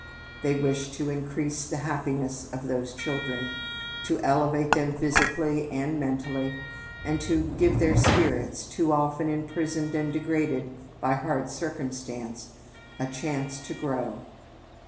They wish to increase the happiness of those children, to elevate them physically and mentally, and to give their spirits, too often imprisoned and degraded by hard circumstance, a chance to grow.